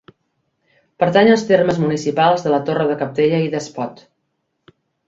Pertany als termes municipals de la Torre de Cabdella i d'Espot.